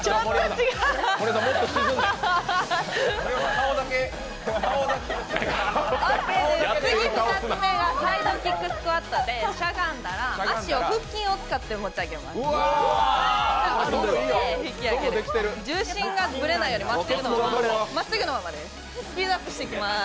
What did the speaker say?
次も２つ目がサイドキックスクワットで、しゃがんだら足を腹筋を使って持ち上げます。